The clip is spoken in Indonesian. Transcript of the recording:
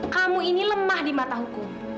kamu ini lemah di mata hukum